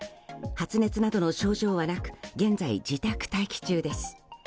発熱などの症状はなく現在、自宅待機中です。